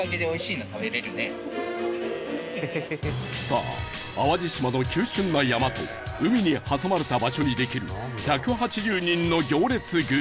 さあ淡路島の急峻な山と海に挟まれた場所にできる１８０人の行列グルメ